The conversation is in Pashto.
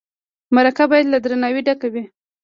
مرکه باید له درناوي ډکه وي.